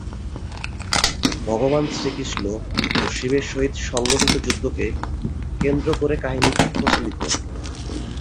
ভগবান শ্রীকৃষ্ণ ও শিবের সহিত সংঘটিত যুদ্ধকে কেন্দ্র করে কাহিনীটি প্রচলিত।